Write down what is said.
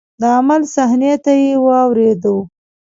د عمل صحنې ته یې واردوي.